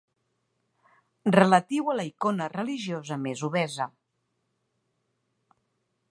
Relatiu a la icona religiosa més obesa.